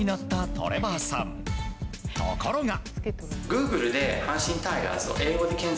ところが。